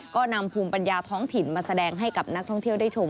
ก็นำภูมิปัญญาท้องถิ่นมาแสดงให้กับนักท่องเที่ยวได้ชม